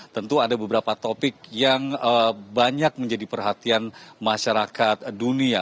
tentu ada beberapa topik yang banyak menjadi perhatian masyarakat dunia